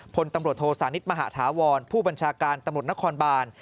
พลตำรวจโทสานิทมหาธาวรผู้บัญชาการตำรวจนครบาน